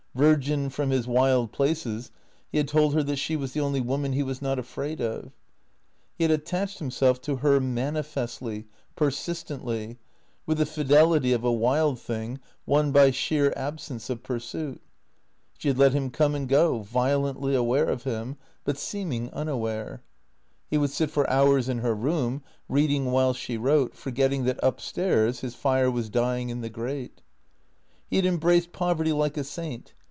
Virgin from his wild places, he had told her that she was the only woman he was not afraid of. He had attached himself to her manifestly, persistently, with the fidelity of a wild thing won by sheer absence of pursuit. She had let him come and go, violently aware of him, but seeming unaware. He would sit for hours in her room, reading while she wrote, forgetting that upstairs his fire was dying in the grate. He had embraced Poverty like a saint.